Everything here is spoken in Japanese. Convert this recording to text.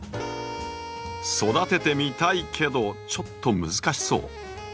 「育ててみたいけどちょっと難しそう」。